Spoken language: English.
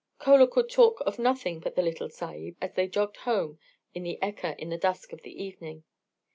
Chola could talk of nothing but the "little Sahib" as they jogged home in the "ekka" in the dusk of the evening.